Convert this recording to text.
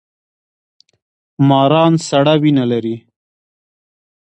ماران سړه وینه لري